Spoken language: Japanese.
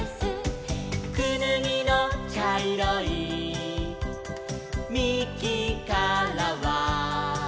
「くぬぎのちゃいろいみきからは」